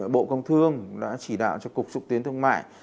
bộ công thương đã chỉ đạo cho cục xúc tiến thương mại